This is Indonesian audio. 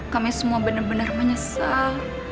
kami semua benar benar menyesal